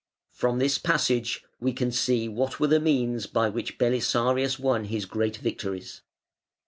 From this passage we can see what were the means by which Belisarius won his great victories.